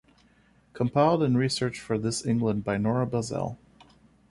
Compiled and researched for "This England" by Nora Buzzell.